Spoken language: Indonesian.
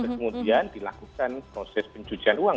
kemudian dilakukan proses pencucian uang